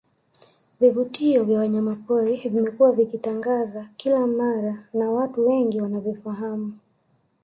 Vivutio vya wanyamapori vimekuwa vikitangazwa kila mara na watu wengi wanavifahamu